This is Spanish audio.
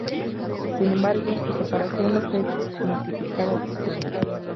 Sin embargo su separación no fue notificada oficialmente.